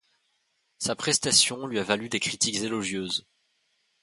Sa prestation lui a valu des critiques élogieuses.